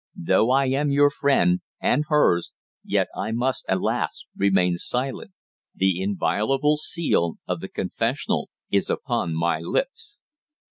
Though I am your friend and hers, yet I must, alas! remain silent! The inviolable seal of The Confessional is upon my lips!"